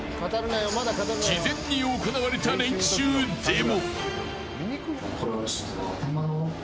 事前に行われた練習でも。